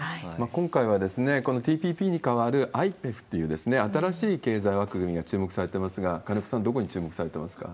今回はこのＴＰＰに代わるＩＰＥＦという新しい経済枠組みが注目されてますが、金子さん、どこに注目されてますか。